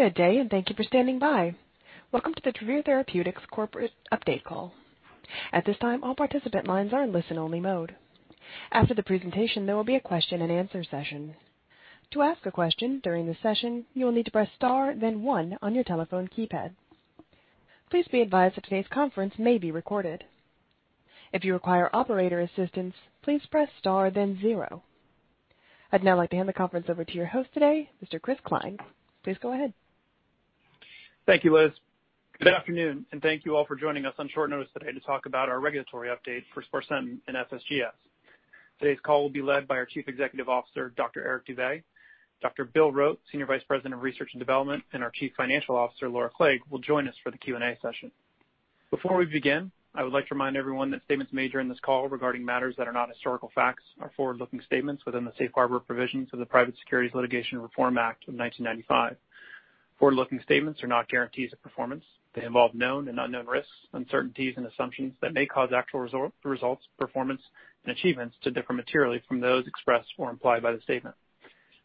Good day, and thank you for standing by. Welcome to the Travere Therapeutics Corporate Update Call. At this time, all participants lines are in listen-only mode. After the presentation, there will be a question-and-answer session. To ask a question during the session, you will need to press star then one on your telephone keypad. Please be advised that today's conference may be recorded. If you require operator assistance, please press star then zero. I'd now like to hand the conference over to your host today, Mr. Chris Cline. Please go ahead. Thank you, Liz. Good afternoon, thank you all for joining us on short notice today to talk about our regulatory update for sparsentan and FSGS. Today's call will be led by our Chief Executive Officer, Dr. Eric Dube. Dr. William Rote, Senior Vice President of Research and Development, and our Chief Financial Officer, Laura Clague, will join us for the Q&A session. Before we begin, I would like to remind everyone that statements made during this call regarding matters that are not historical facts are forward-looking statements within the safe harbor provisions of the Private Securities Litigation Reform Act of 1995. Forward-looking statements are not guarantees of performance. They involve known and unknown risks, uncertainties, and assumptions that may cause actual results, performance, and achievements to differ materially from those expressed or implied by the statement.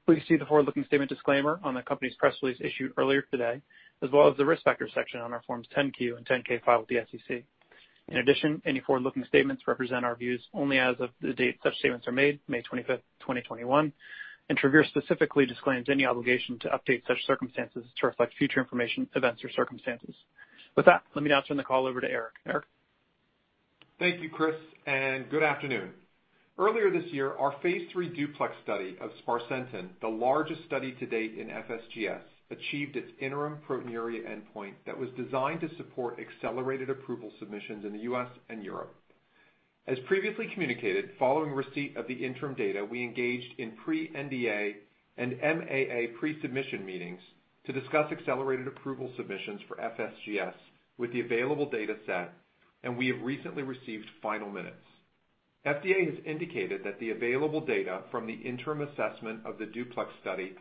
Please see the forward-looking statement disclaimer on the company's press release issued earlier today, as well as the risk factor section on our forms 10-Q and 10-K filed with the SEC. Any forward-looking statements represent our views only as of the date such statements are made, May 25th, 2021, and Travere specifically disclaims any obligation to update such circumstances to reflect future information, events, or circumstances. With that, let me now turn the call over to Eric. Eric? Thank you, Chris, and good afternoon. Earlier this year, our phase III DUPLEX study of sparsentan, the largest study to date in FSGS, achieved its interim proteinuria endpoint that was designed to support accelerated approval submissions in the U.S. and Europe. As previously communicated, following receipt of the interim data, we engaged in pre-NDA and MAA pre-submission meetings to discuss accelerated approval submissions for FSGS with the available data set, and we have recently received final minutes. FDA has indicated that the available data from the interim assessment of the DUPLEX study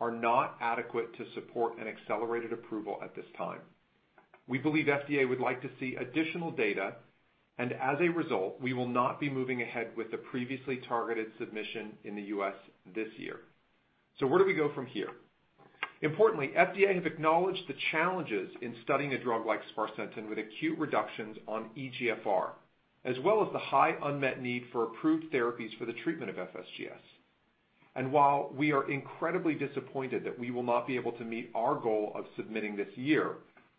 are not adequate to support an accelerated approval at this time. We believe FDA would like to see additional data, and as a result, we will not be moving ahead with the previously targeted submission in the U.S. this year. Where do we go from here? Importantly, FDA has acknowledged the challenges in studying a drug like sparsentan with acute reductions on eGFR, as well as the high unmet need for approved therapies for the treatment of FSGS. While we are incredibly disappointed that we will not be able to meet our goal of submitting this year,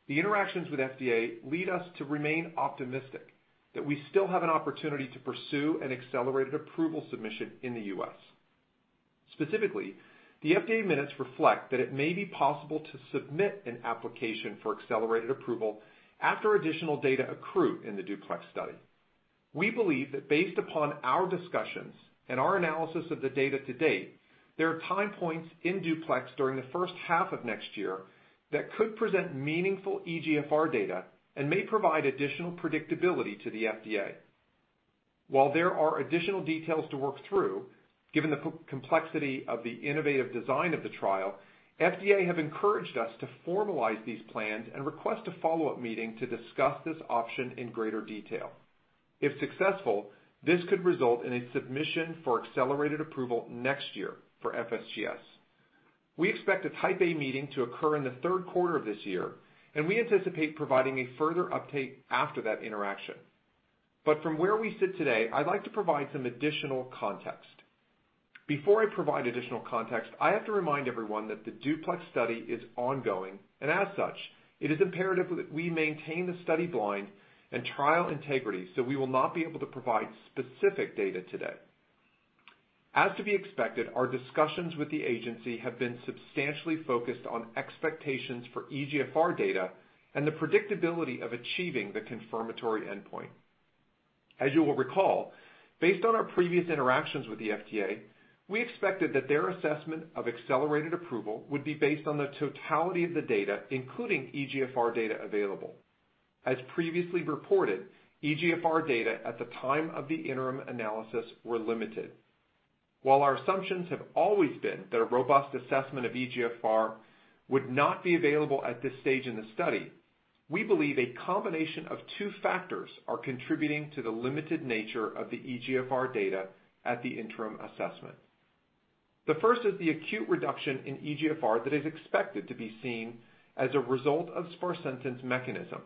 the interactions with FDA lead us to remain optimistic that we still have an opportunity to pursue an accelerated approval submission in the U.S. Specifically, the FDA minutes reflect that it may be possible to submit an application for accelerated approval after additional data accrue in the DUPLEX study. We believe that based upon our discussions and our analysis of the data to date, there are time points in DUPLEX during the first half of next year that could present meaningful eGFR data and may provide additional predictability to the FDA. While there are additional details to work through, given the complexity of the innovative design of the trial, FDA have encouraged us to formalize these plans and request a follow-up meeting to discuss this option in greater detail. If successful, this could result in a submission for accelerated approval next year for FSGS. We expect a Type A meeting to occur in the third quarter of this year, and we anticipate providing a further update after that interaction. From where we sit today, I'd like to provide some additional context. Before I provide additional context, I have to remind everyone that the DUPLEX study is ongoing, and as such, it is imperative that we maintain the study blind and trial integrity, so we will not be able to provide specific data today. As to be expected, our discussions with the agency have been substantially focused on expectations for eGFR data and the predictability of achieving the confirmatory endpoint. As you will recall, based on our previous interactions with the FDA, we expected that their assessment of accelerated approval would be based on the totality of the data, including eGFR data available. As previously reported, eGFR data at the time of the interim analysis were limited. While our assumptions have always been that a robust assessment of eGFR would not be available at this stage in the study, we believe a combination of two factors are contributing to the limited nature of the eGFR data at the interim assessment. The first is the acute reduction in eGFR that is expected to be seen as a result of sparsentan's mechanism.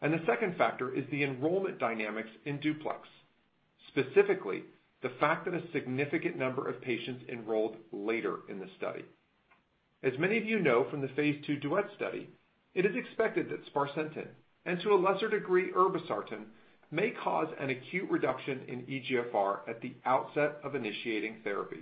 The second factor is the enrollment dynamics in DUPLEX, specifically, the fact that a significant number of patients enrolled later in the study. As many of you know from the phase II DUET study, it is expected that sparsentan, and to a lesser degree, irbesartan, may cause an acute reduction in eGFR at the outset of initiating therapy.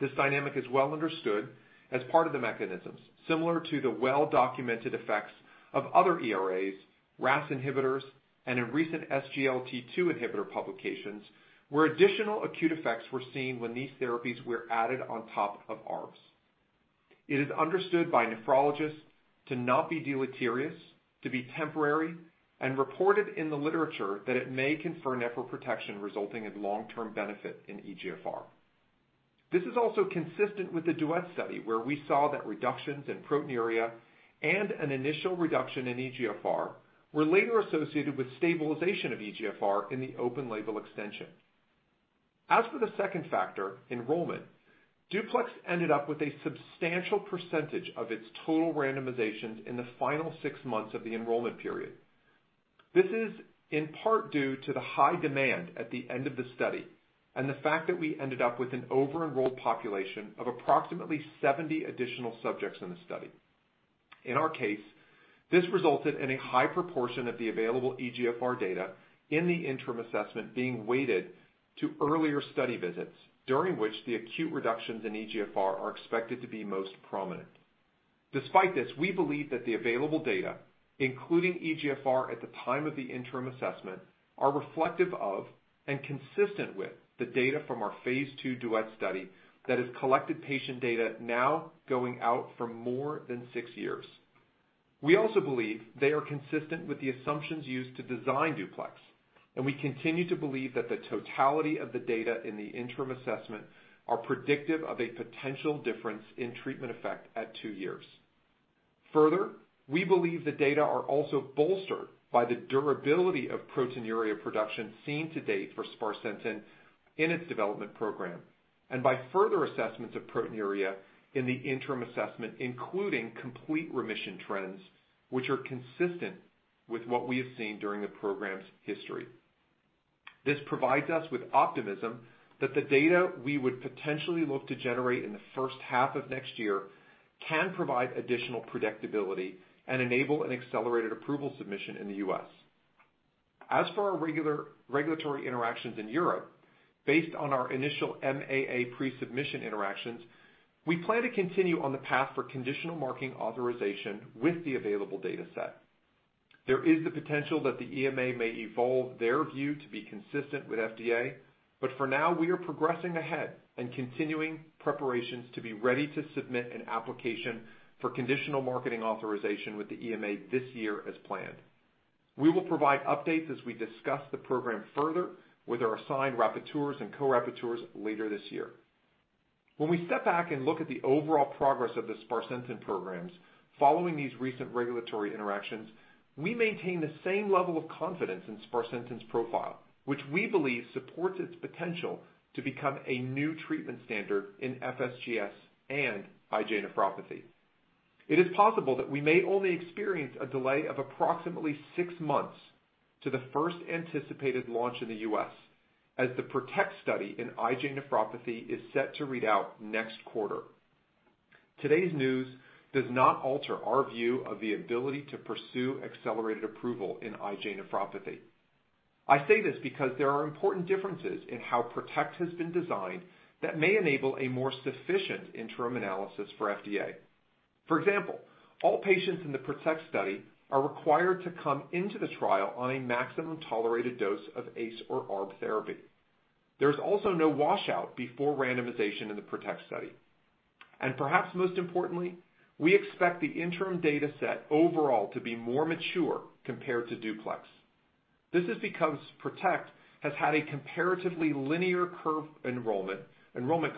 This dynamic is well understood as part of the mechanisms, similar to the well-documented effects of other ERAs, RAS inhibitors, and in recent SGLT2 inhibitor publications, where additional acute effects were seen when these therapies were added on top of ARBs. It is understood by nephrologists to not be deleterious, to be temporary, and reported in the literature that it may confer nephroprotection resulting in long-term benefit in eGFR. This is also consistent with the DUET study, where we saw that reductions in proteinuria and an initial reduction in eGFR were later associated with stabilization of eGFR in the open label extension. As for the second factor, enrollment, DUPLEX ended up with a substantial percentage of its total randomizations in the final six months of the enrollment period. This is in part due to the high demand at the end of the study and the fact that we ended up with an over-enrolled population of approximately 70 additional subjects in the study. In our case, this resulted in a high proportion of the available eGFR data in the interim assessment being weighted to earlier study visits, during which the acute reductions in eGFR are expected to be most prominent. Despite this, we believe that the available data, including eGFR at the time of the interim assessment, are reflective of and consistent with the data from our phase II DUET study that has collected patient data now going out for more than six years. We also believe they are consistent with the assumptions used to design DUPLEX, and we continue to believe that the totality of the data in the interim assessment are predictive of a potential difference in treatment effect at two years. Further, we believe the data are also bolstered by the durability of proteinuria production seen to date for sparsentan in its development program and by further assessments of proteinuria in the interim assessment, including complete remission trends, which are consistent with what we have seen during the program's history. This provides us with optimism that the data we would potentially look to generate in the first half of next year can provide additional predictability and enable an accelerated approval submission in the U.S. As for our regulatory interactions in Europe, based on our initial MAA pre-submission interactions, we plan to continue on the path for conditional marketing authorization with the available data set. There is the potential that the EMA may evolve their view to be consistent with FDA. For now, we are progressing ahead and continuing preparations to be ready to submit an application for conditional marketing authorization with the EMA this year as planned. We will provide updates as we discuss the program further with our assigned rapporteurs and co-rapporteurs later this year. When we step back and look at the overall progress of the sparsentan programs following these recent regulatory interactions, we maintain the same level of confidence in sparsentan's profile, which we believe supports its potential to become a new treatment standard in FSGS and IgA nephropathy. It is possible that we may only experience a delay of approximately six months to the first anticipated launch in the U.S., as the PROTECT study in IgA nephropathy is set to read out next quarter. Today's news does not alter our view of the ability to pursue accelerated approval in IgA nephropathy. I say this because there are important differences in how PROTECT has been designed that may enable a more sufficient interim analysis for FDA. For example, all patients in the PROTECT study are required to come into the trial on a maximum tolerated dose of ACE or ARB therapy. There's also no washout before randomization in the PROTECT study. Perhaps most importantly, we expect the interim data set overall to be more mature compared to DUPLEX. This is because PROTECT has had a comparatively linear enrollment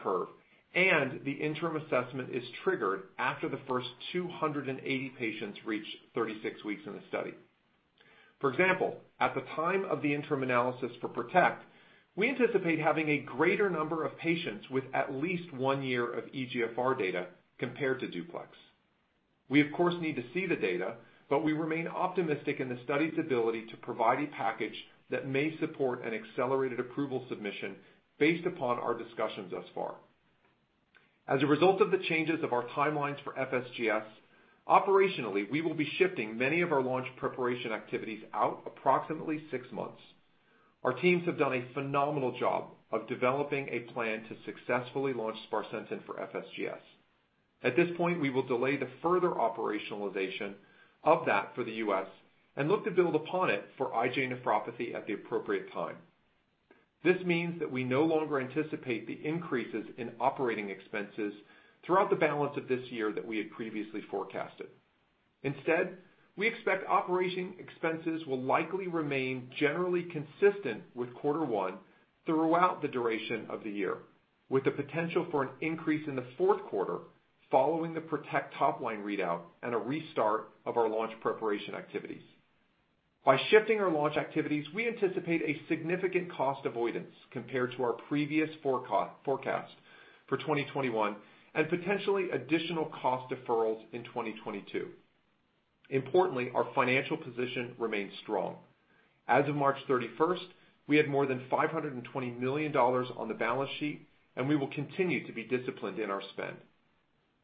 curve, and the interim assessment is triggered after the first 280 patients reach 36 weeks in the study. For example, at the time of the interim analysis for PROTECT, we anticipate having a greater number of patients with at least one year of eGFR data compared to DUPLEX. We, of course, need to see the data, but we remain optimistic in the study's ability to provide a package that may support an accelerated approval submission based upon our discussions thus far. As a result of the changes of our timelines for FSGS, operationally, we will be shifting many of our launch preparation activities out approximately six months. Our teams have done a phenomenal job of developing a plan to successfully launch sparsentan for FSGS. At this point, we will delay the further operationalization of that for the U.S. and look to build upon it for IgA nephropathy at the appropriate time. This means that we no longer anticipate the increases in operating expenses throughout the balance of this year that we had previously forecasted. Instead, we expect operating expenses will likely remain generally consistent with quarter one throughout the duration of the year, with the potential for an increase in the fourth quarter following the PROTECT top-line readout and a restart of our launch preparation activities. By shifting our launch activities, we anticipate a significant cost avoidance compared to our previous forecasts for 2021 and potentially additional cost deferrals in 2022. Importantly, our financial position remains strong. As of March 31st, we had more than $520 million on the balance sheet, and we will continue to be disciplined in our spend.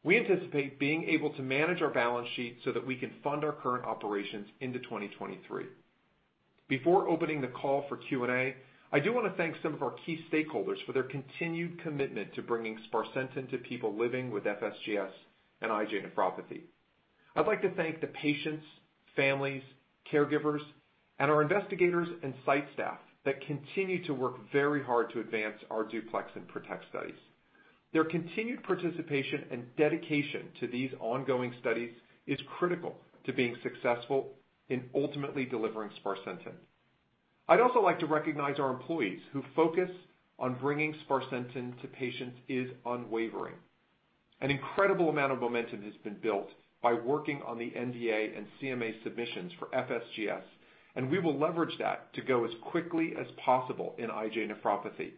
We anticipate being able to manage our balance sheet so that we can fund our current operations into 2023. Before opening the call for Q&A, I do want to thank some of our key stakeholders for their continued commitment to bringing sparsentan to people living with FSGS and IgA nephropathy. I'd like to thank the patients, families, caregivers, and our investigators and site staff that continue to work very hard to advance our DUPLEX and PROTECT studies. Their continued participation and dedication to these ongoing studies is critical to being successful in ultimately delivering sparsentan. I'd also like to recognize our employees, whose focus on bringing sparsentan to patients is unwavering. An incredible amount of momentum has been built by working on the NDA and CMA submissions for FSGS. We will leverage that to go as quickly as possible in IgA nephropathy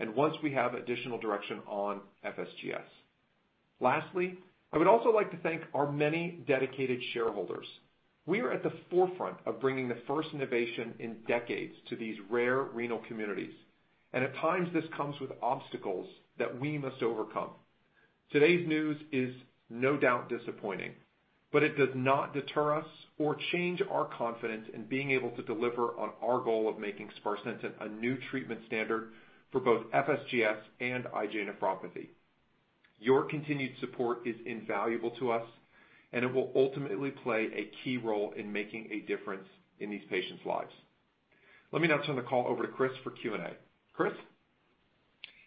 and once we have additional direction on FSGS. Lastly, I would also like to thank our many dedicated shareholders. We are at the forefront of bringing the first innovation in decades to these rare renal communities. At times this comes with obstacles that we must overcome. Today's news is no doubt disappointing. It does not deter us or change our confidence in being able to deliver on our goal of making sparsentan a new treatment standard for both FSGS and IgA nephropathy. Your continued support is invaluable to us, and it will ultimately play a key role in making a difference in these patients' lives. Let me now turn the call over to Chris for Q&A. Chris?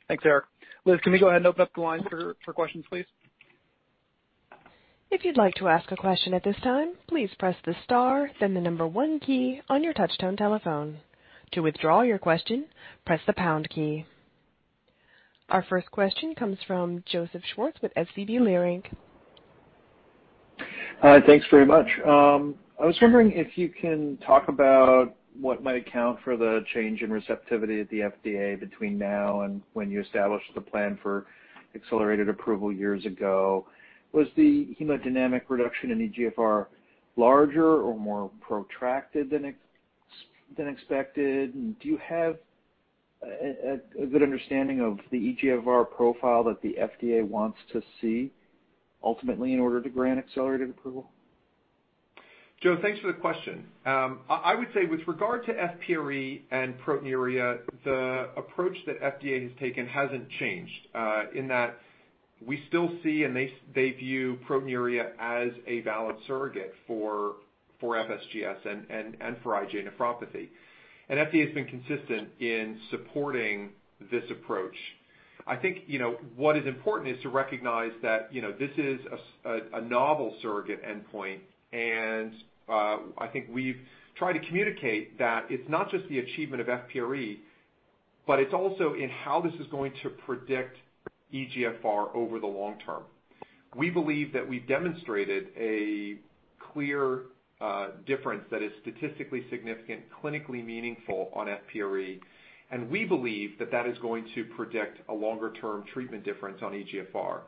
Thanks, Eric. Liz, can we go ahead and open the line for questions, please? If you would like to ask a question at this time, please press the star then the number one key on your touchtone telephone. To withdraw your question, press the pound key. Our first question comes from Joseph Schwartz with SVB Leerink. Hi. Thanks very much. I was wondering if you can talk about what might account for the change in receptivity at the FDA between now and when you established the plan for accelerated approval years ago. Was the hemodynamic reduction in eGFR larger or more protracted than expected? Do you have a good understanding of the eGFR profile that the FDA wants to see ultimately in order to grant accelerated approval? Joe, thanks for the question. I would say with regard to FPRE and proteinuria, the approach that FDA has taken hasn't changed, in that we still see and they view proteinuria as a valid surrogate for FSGS and for IgA nephropathy. FDA's been consistent in supporting this approach. I think what is important is to recognize that this is a novel surrogate endpoint, and I think we've tried to communicate that it's not just the achievement of FPRE, but it's also in how this is going to predict eGFR over the long term. We believe that we demonstrated a clear difference that is statistically significant, clinically meaningful on FPRE, and we believe that that is going to predict a longer-term treatment difference on eGFR.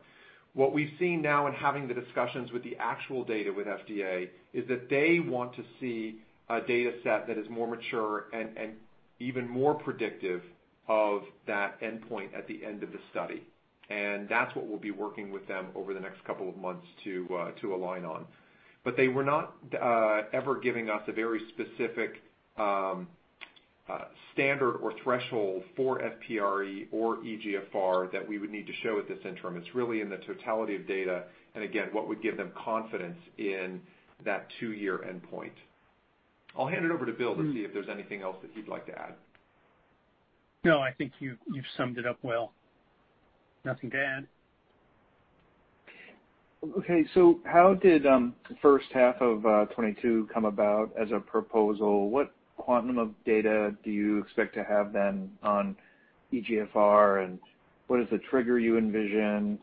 What we see now in having the discussions with the actual data with FDA is that they want to see a data set that is more mature and even more predictive of that endpoint at the end of the study. That's what we'll be working with them over the next couple of months to align on. They were not ever giving us a very specific standard or threshold for FPRE or eGFR that we would need to show at this interim. It's really in the totality of data, and again, what would give them confidence in that two-year endpoint. I'll hand it over to Bill to see if there's anything else that you'd like to add. No, I think you've summed it up well. Nothing to add. Okay. How did the first half of 2022 come about as a proposal? What quantum of data do you expect to have then on eGFR, and what is the trigger you envision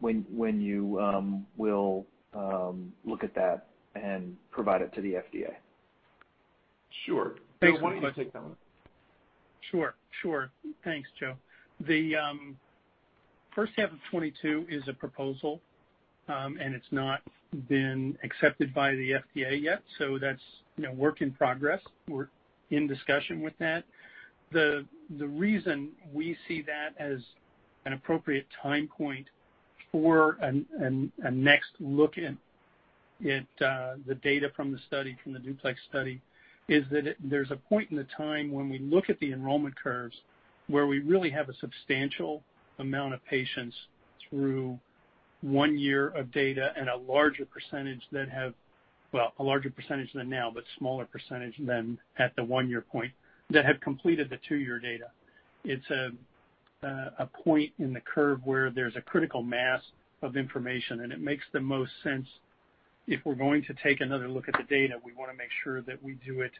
when you will look at that and provide it to the FDA? Sure. Bill, why don't you take that one? Sure. Thanks, Joe. The first half of 2022 is a proposal, and it's not been accepted by the FDA yet, that's work in progress. We're in discussion with that. The reason we see that as an appropriate time point for a next look at the data from the study, from the DUPLEX study, is that there's a point in the time when we look at the enrollment curves where we really have a substantial amount of patients through one year of data and a larger percentage than now, but smaller percentage than at the one-year point, that have completed the two-year data. It's a point in the curve where there's a critical mass of information, and it makes the most sense if we're going to take another look at the data, we want to make sure that we do it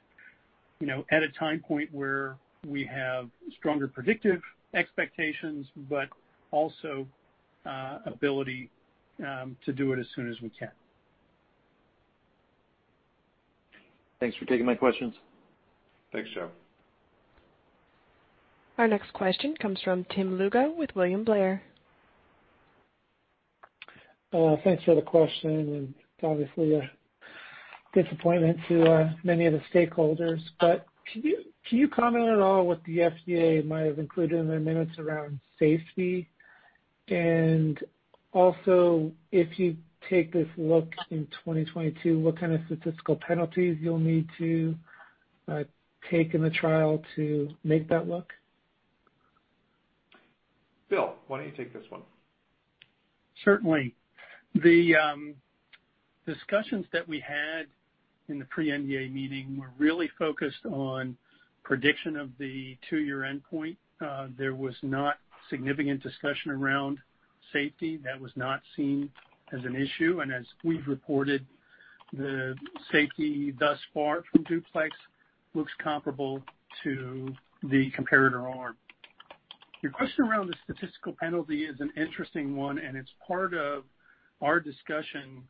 at a time point where we have stronger predictive expectations, but also ability to do it as soon as we can. Thanks for taking my questions. Thanks, Joe. Our next question comes from Tim Lugo with William Blair. Thanks for the question, and obviously a disappointment to many of the stakeholders. Can you comment at all what the FDA might have included in the minutes around safety? Also, if you take this look in 2022, what kind of statistical penalties you'll need to take in the trial to make that look? Bill, why don't you take this one? Certainly. The discussions that we had in the pre-NDA meeting were really focused on prediction of the two-year endpoint. There was not significant discussion around safety. That was not seen as an issue, and as we've reported. The safety thus far from DUPLEX looks comparable to the comparator arm. Your question around the statistical penalty is an interesting one, and it's part of our discussion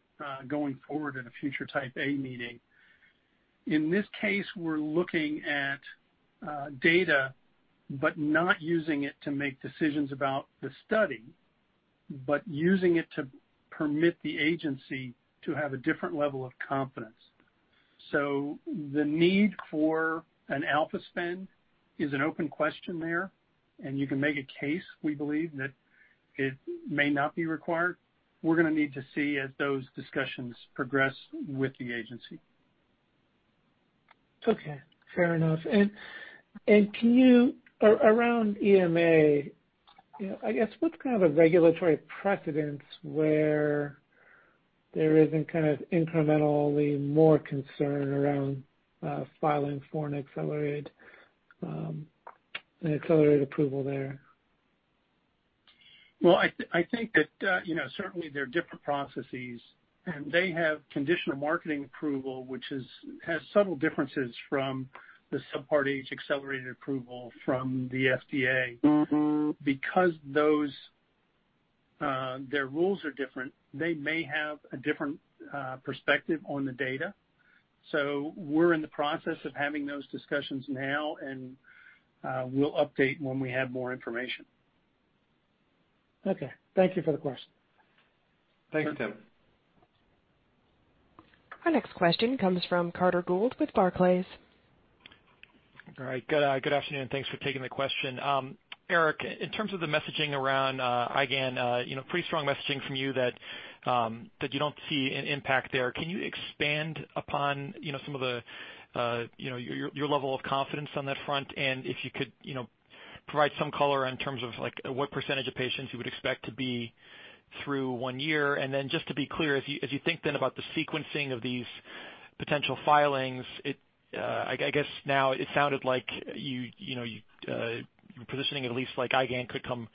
going forward in a future Type A meeting. In this case, we're looking at data, but not using it to make decisions about the study, but using it to permit the agency to have a different level of confidence. The need for an alpha spend is an open question there, and you can make a case, we believe, that it may not be required. We're going to need to see as those discussions progress with the agency. Okay, fair enough. Around EMA, I guess what's kind of regulatory precedence where there isn't kind of incrementally more concern around filing for an accelerated approval there? Well, I think that certainly there are different processes, and they have conditional marketing approval, which has subtle differences from the Subpart H accelerated approval from the FDA. Because their rules are different, they may have a different perspective on the data. We're in the process of having those discussions now, and we'll update when we have more information. Okay. Thank you for the question. Thanks, Tim. Our next question comes from Carter Gould with Barclays. All right. Good afternoon. Thanks for taking the question. Eric, in terms of the messaging around IgAN, pretty strong messaging from you that you don't see an impact there. Can you expand upon some of your level of confidence on that front? If you could provide some color in terms of what percentage of patients you would expect to be through one year. Just to be clear, if you think then about the sequencing of these potential filings, I guess now it sounded like you're positioning at least like IgAN could come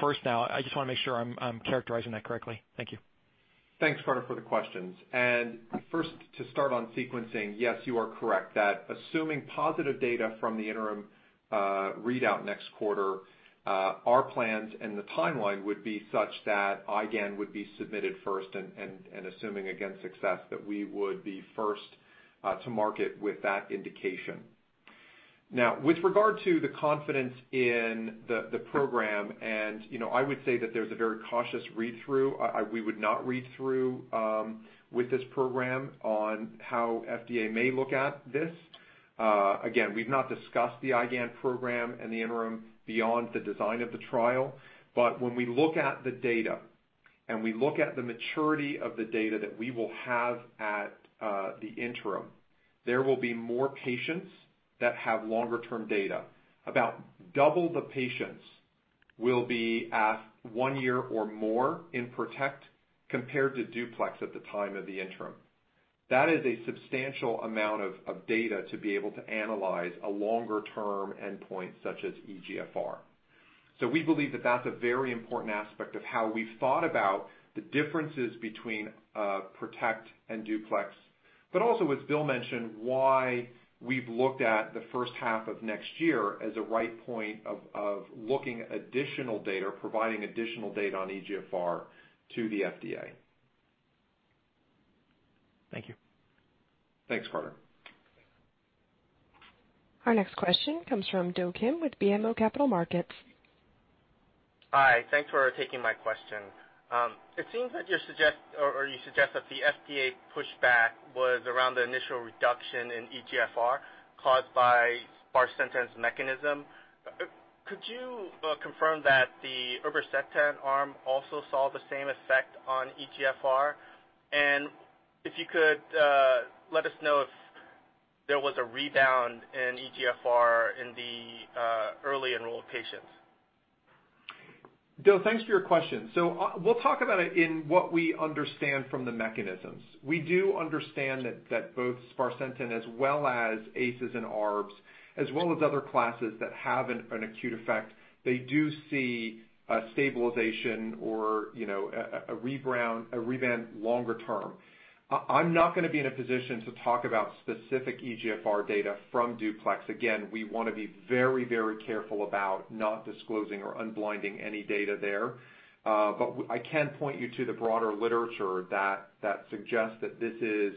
first now. I just want to make sure I'm characterizing that correctly. Thank you. Thanks, Carter, for the questions. First, to start on sequencing, yes, you are correct that assuming positive data from the interim readout next quarter, our plans and the timeline would be such that IgAN would be submitted first and assuming, again, success, that we would be first to market with that indication. Now, with regard to the confidence in the program, I would say that there's a very cautious read-through. We would not read through with this program on how FDA may look at this. Again, we've not discussed the IgAN program and the interim beyond the design of the trial. When we look at the data and we look at the maturity of the data that we will have at the interim, there will be more patients that have longer-term data. About double the patients will be at one year or more in PROTECT compared to DUPLEX at the time of the interim. That is a substantial amount of data to be able to analyze a longer-term endpoint such as eGFR. We believe that that's a very important aspect of how we've thought about the differences between PROTECT and DUPLEX. Also as Bill mentioned, why we've looked at the first half of next year as a right point of looking at additional data, providing additional data on eGFR to the FDA. Thank you. Thanks, Carter. Our next question comes from Do Kim with BMO Capital Markets. Hi, thanks for taking my question. It seems that you suggest that the FDA pushback was around the initial reduction in eGFR caused by sparsentan's mechanism. Could you confirm that the irbesartan arm also saw the same effect on eGFR? If you could let us know if there was a rebound in eGFR in the early enrolled patients. Do, thanks for your question. We'll talk about it in what we understand from the mechanisms. We do understand that both sparsentan as well as ACEs and ARBs, as well as other classes that have an acute effect, they do see a stabilization or a rebound longer term. I'm not going to be in a position to talk about specific eGFR data from DUPLEX. Again, we want to be very careful about not disclosing or unblinding any data there. I can point you to the broader literature that suggests that this is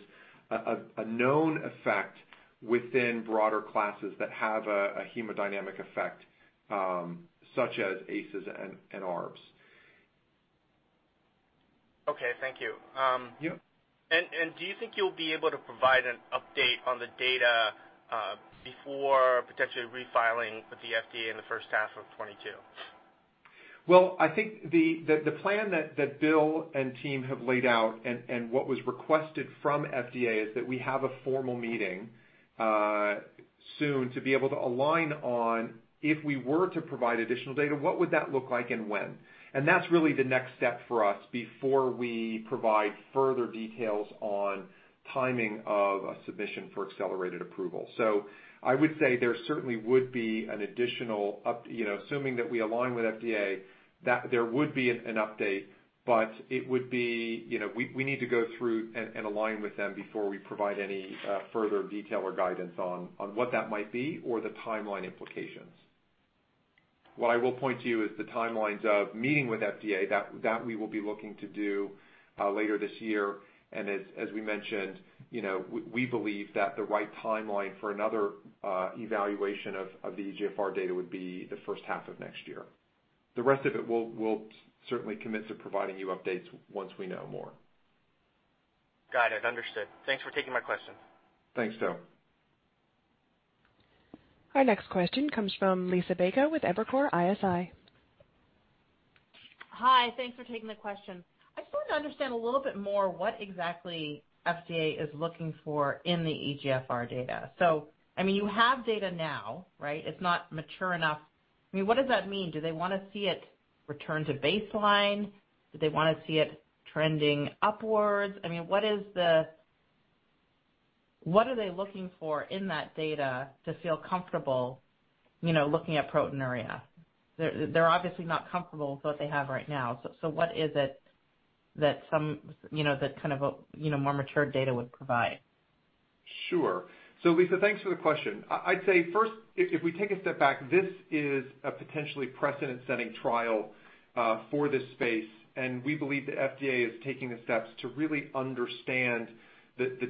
a known effect within broader classes that have a hemodynamic effect, such as ACEs and ARBs. Okay. Thank you. Yeah. Do you think you'll be able to provide an update on the data before potentially refiling with the FDA in the first half of 2022? Well, I think the plan that Bill and team have laid out and what was requested from FDA is that we have a formal meeting soon to be able to align on if we were to provide additional data, what would that look like and when. That's really the next step for us before we provide further details on timing of a submission for accelerated approval. I would say there certainly would be an additional assuming that we align with FDA, there would be an update, but we need to go through and align with them before we provide any further detail or guidance on what that might be or the timeline implications. What I will point to is the timelines of meeting with FDA that we will be looking to do later this year. As we mentioned, we believe that the right timeline for another evaluation of the eGFR data would be the first half of next year. The rest of it, we'll certainly commit to providing you updates once we know more. Got it. Understood. Thanks for taking my question. Thanks, Do. Our next question comes from Liisa Bayko with Evercore ISI. Hi, thanks for taking the question. I just want to understand a little bit more what exactly FDA is looking for in the eGFR data. You have data now, right? It's not mature enough. What does that mean? Do they want to see it return to baseline? Do they want to see it trending upwards? What are they looking for in that data to feel comfortable looking at proteinuria? They're obviously not comfortable with what they have right now. What is it that more mature data would provide? Sure. Liisa, thanks for the question. I'd say first, if we take a step back, this is a potentially precedent-setting trial for this space, and we believe the FDA is taking the steps to really understand the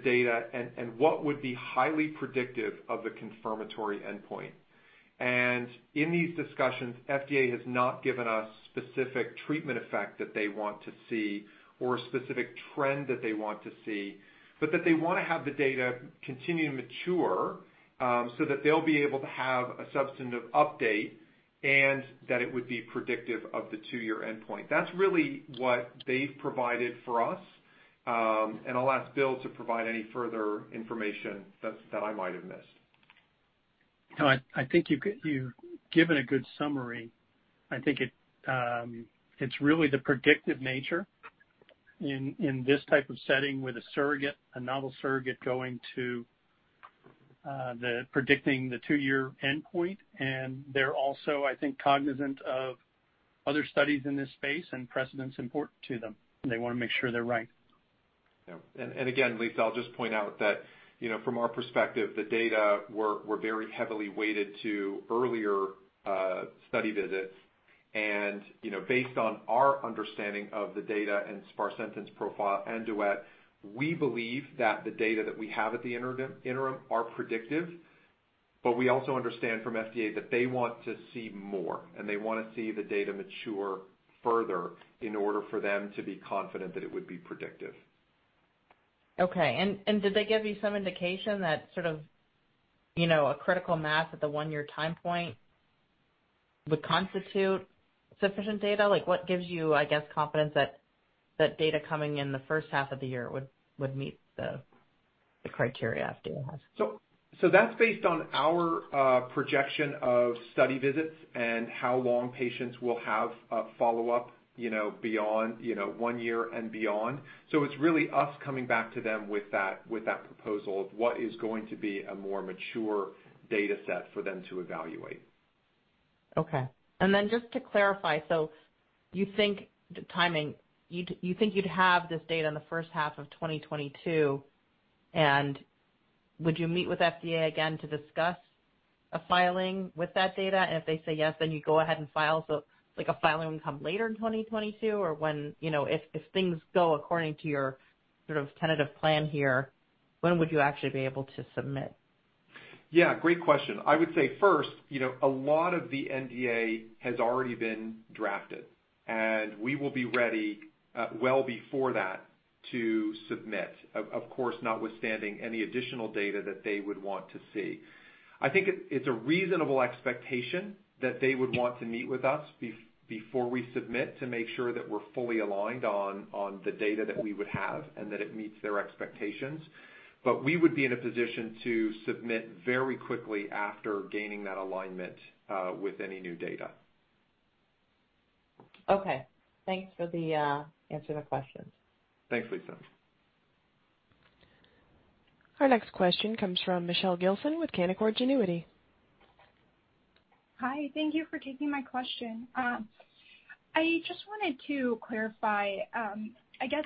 data and what would be highly predictive of a confirmatory endpoint. In these discussions, FDA has not given us specific treatment effect that they want to see or a specific trend that they want to see, but that they want to have the data continue to mature so that they'll be able to have a substantive update and that it would be predictive of the two-year endpoint. That's really what they've provided for us, and I'll ask Bill to provide any further information that I might have missed. No, I think you've given a good summary. I think it's really the predictive nature in this type of setting with a surrogate, a novel surrogate going to the predicting the two-year endpoint. They're also, I think, cognizant of other studies in this space and precedent's important to them, and they want to make sure they're right. Yeah. Again, Liisa, I'll just point out that from our perspective, the data were very heavily weighted to earlier study visits. Based on our understanding of the data and sparsentan profile and DUET, we believe that the data that we have at the interim are predictive, but we also understand from FDA that they want to see more and they want to see the data mature further in order for them to be confident that it would be predictive. Okay. Did they give you some indication that sort of a critical mass at the one-year time point would constitute sufficient data? Like what gives you, I guess, confidence that that data coming in the first half of the year would meet the criteria FDA has? That's based on our projection of study visits and how long patients will have a follow-up beyond one year and beyond. It's really us coming back to them with that proposal of what is going to be a more mature data set for them to evaluate. Okay. Then just to clarify, you think you'd have this data in the first half of 2022, and would you meet with FDA again to discuss a filing with that data? If they say yes, then you go ahead and file. Like a filing would come later in 2022 or when If things go according to your sort of tentative plan here, when would you actually be able to submit? Yeah, great question. I would say first, a lot of the NDA has already been drafted, and we will be ready well before that to submit. Of course, notwithstanding any additional data that they would want to see. I think it's a reasonable expectation that they would want to meet with us before we submit to make sure that we're fully aligned on the data that we would have and that it meets their expectations. We would be in a position to submit very quickly after gaining that alignment with any new data. Okay. Thanks for the answer to the questions. Thanks, Liisa. Our next question comes from Michelle Gilson with Canaccord Genuity. Hi. Thank you for taking my question. I just wanted to clarify I guess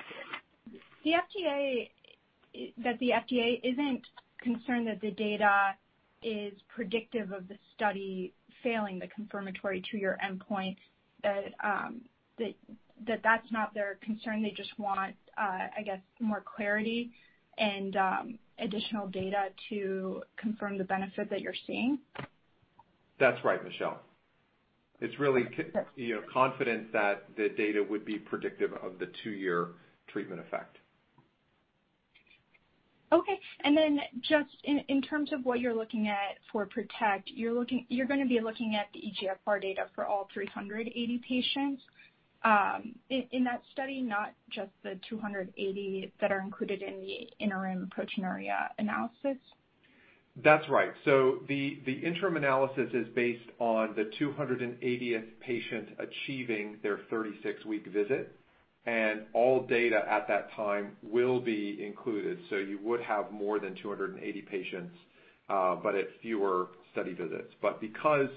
that the FDA isn't concerned that the data is predictive of the study failing the confirmatory two-year endpoint, that that's not their concern. They just want I guess more clarity and additional data to confirm the benefit that you're seeing. That's right, Michelle. It's really confidence that the data would be predictive of the two-year treatment effect. Okay. Just in terms of what you're looking at for PROTECT, you're going to be looking at the eGFR data for all 380 patients in that study, not just the 280 that are included in the interim proteinuria analysis? That's right. The interim analysis is based on the 280th patient achieving their 36-week visit, and all data at that time will be included. You would have more than 280 patients, but it's fewer study visits. Because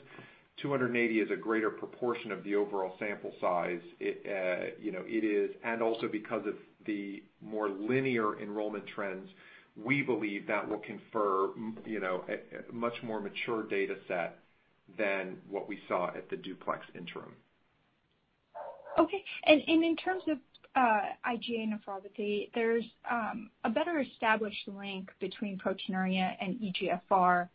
280 is a greater proportion of the overall sample size it is, and also because of the more linear enrollment trends, we believe that will confer a much more mature data set than what we saw at the DUPLEX interim. Okay. In terms of IgA nephropathy, there's a better established link between proteinuria and eGFR.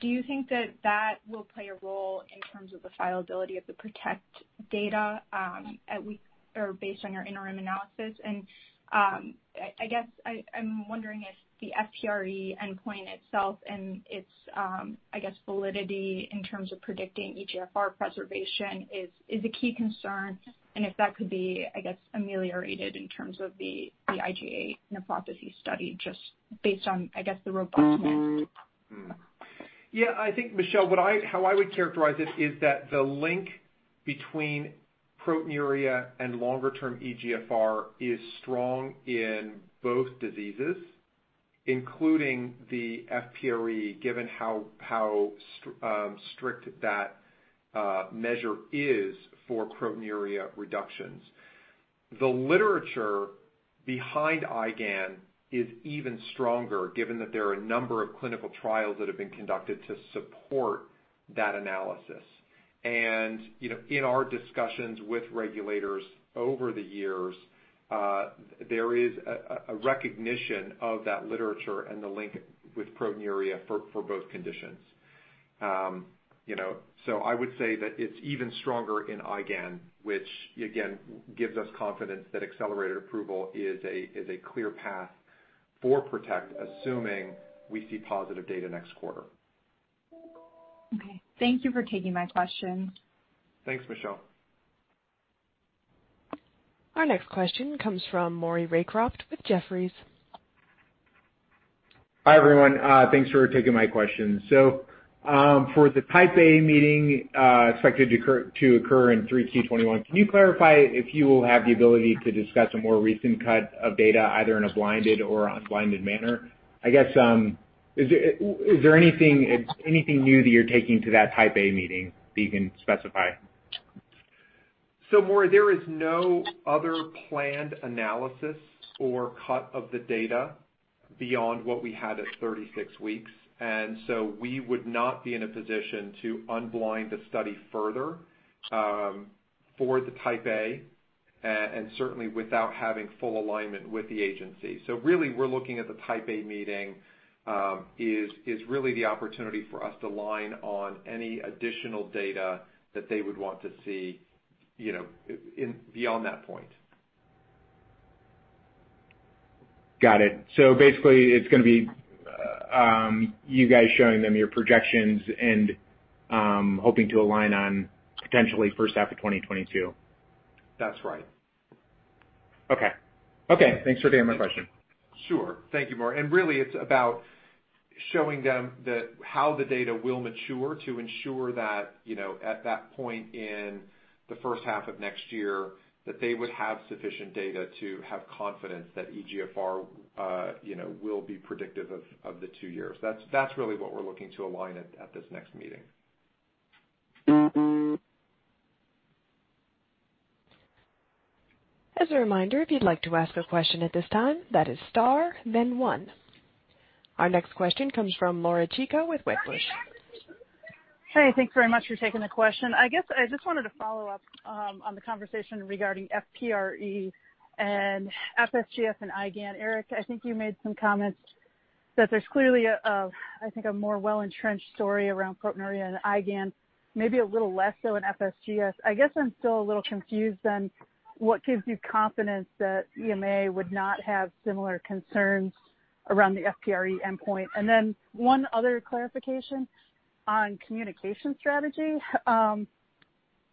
Do you think that that will play a role in terms of the viability of the PROTECT data based on your interim analysis? I guess I'm wondering if the FPRE endpoint itself and its, I guess, validity in terms of predicting eGFR preservation is a key concern and if that could be, I guess, ameliorated in terms of the IgA nephropathy study just based on, I guess, the robustness. Yeah. I think, Michelle, how I would characterize it is that the link between proteinuria and longer-term eGFR is strong in both diseases, including the FPRE, given how strict that measure is for proteinuria reductions. The literature behind IgAN is even stronger, given that there are a number of clinical trials that have been conducted to support that analysis. In our discussions with regulators over the years, there is a recognition of that literature and the link with proteinuria for both conditions. I would say that it's even stronger in IgAN, which again gives us confidence that accelerated approval is a clear path for PROTECT, assuming we see positive data next quarter. Okay. Thank you for taking my question. Thanks, Michelle. Our next question comes from Maury Raycroft with Jefferies. Hi, everyone. Thanks for taking my question. For the Type A meeting expected to occur in 3Q 2021, can you clarify if you will have the ability to discuss a more recent cut of data, either in a blinded or unblinded manner? I guess, is there anything new that you're taking to that Type A meeting that you can specify? Maury, there is no other planned analysis or cut of the data beyond what we had at 36 weeks. We would not be in a position to unblind the study further for the Type A, and certainly without having full alignment with the agency. Really we're looking at the Type A meeting is really the opportunity for us to align on any additional data that they would want to see beyond that point. Got it. Basically it's going to be you guys showing them your projections and hoping to align on potentially first half of 2022. That's right. Okay. Thanks for taking my question. Sure. Thank you, Maury. Really it's about showing them how the data will mature to ensure that at that point in the first half of next year, that they would have sufficient data to have confidence that eGFR will be predictive of the two years. That's really what we're looking to align at this next meeting. As a reminder, if you'd like to ask a question at this time, that is star then one. Our next question comes from Laura Chico with Wedbush. Hey, thanks very much for taking the question. I guess I just wanted to follow up on the conversation regarding FPRE and FSGS and IgAN. Eric, I think you made some comments that there's clearly a, I think, more well-entrenched story around proteinuria and IgAN, maybe a little less so in FSGS. I guess I'm still a little confused then, what gives you confidence that EMA would not have similar concerns around the FPRE endpoint? Then one other clarification on communication strategy.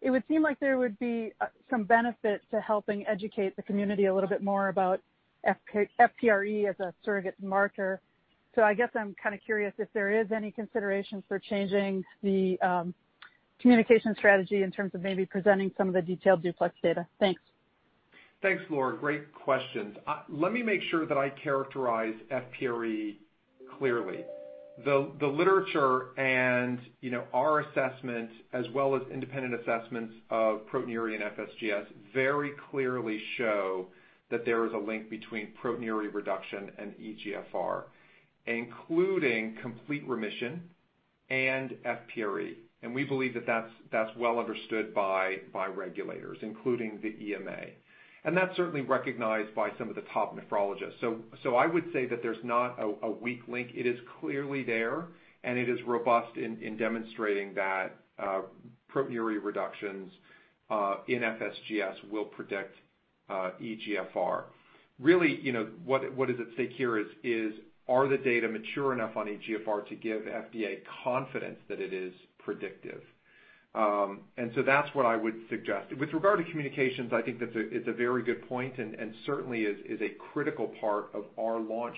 It would seem like there would be some benefit to helping educate the community a little bit more about FPRE as a surrogate marker. I guess I'm kind of curious if there is any consideration for changing the communication strategy in terms of maybe presenting some of the detailed DUPLEX data. Thanks. Thanks, Laura. Great questions. Let me make sure that I characterize FPRE clearly. The literature and our assessments, as well as independent assessments of proteinuria in FSGS, very clearly show that there is a link between proteinuria reduction and eGFR, including complete remission and FPRE. We believe that that's well understood by regulators, including the EMA. That's certainly recognized by some of the top nephrologists. I would say that there's not a weak link. It is clearly there, and it is robust in demonstrating that proteinuria reductions in FSGS will predict eGFR. Really, what is at stake here is are the data mature enough on eGFR to give FDA confidence that it is predictive? That's what I would suggest. With regard to communications, I think that's a very good point and certainly is a critical part of our launch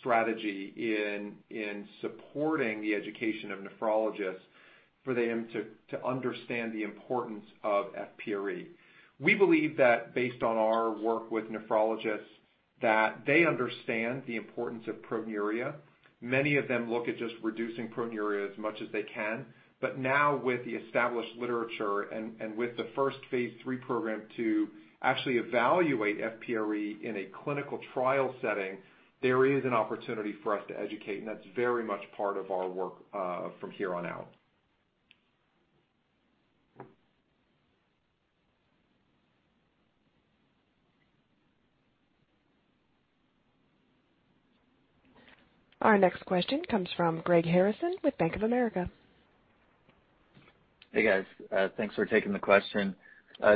strategy in supporting the education of nephrologists for them to understand the importance of FPRE. We believe that based on our work with nephrologists, that they understand the importance of proteinuria. Many of them look at just reducing proteinuria as much as they can. Now with the established literature and with the first phase III program to actually evaluate FPRE in a clinical trial setting, there is an opportunity for us to educate, and that's very much part of our work from here on out. Our next question comes from Greg Harrison with Bank of America. Hey, guys. Thanks for taking the question.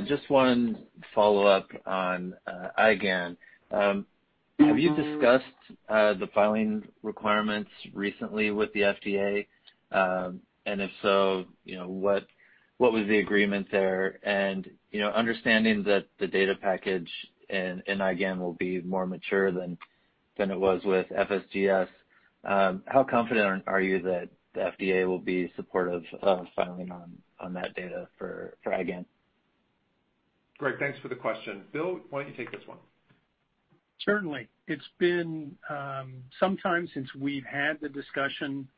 Just one follow-up on IgAN. Have you discussed the filing requirements recently with the FDA? If so, what was the agreement there? Understanding that the data package in IgAN will be more mature than it was with FSGS, how confident are you that the FDA will be supportive of filing on that data for IgAN? Greg, thanks for the question. Bill, why don't you take this one? Certainly. It's been some time since we've had the discussion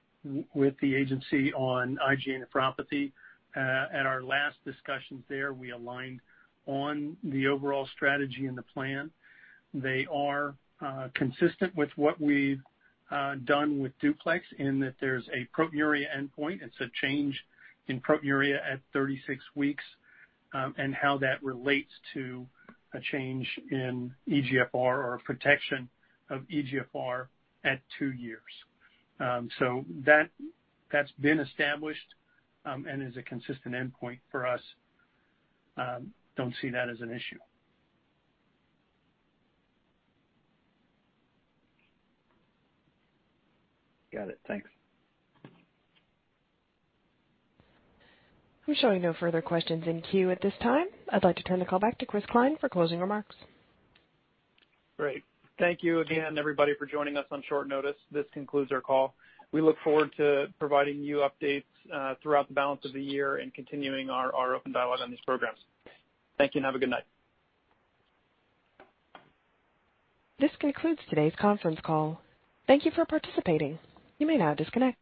with the agency on IgA nephropathy. At our last discussions there, we aligned on the overall strategy and the plan. They are consistent with what we've done with DUPLEX in that there's a proteinuria endpoint. It's a change in proteinuria at 36 weeks, and how that relates to a change in eGFR or protection of eGFR at two years. That's been established, and is a consistent endpoint for us. Don't see that as an issue. Got it. Thanks. We show no further questions in queue at this time. I'd like to turn the call back to Chris Cline for closing remarks. Great. Thank you again, everybody, for joining us on short notice. This concludes our call. We look forward to providing you updates throughout the balance of the year and continuing our open dialogue on these programs. Thank you and have a good night. This concludes today's conference call. Thank you for participating. You may now disconnect.